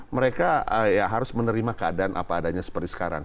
mereka ya harus menerima keadaan apa adanya seperti sekarang